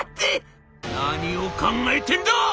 「何を考えてんだ！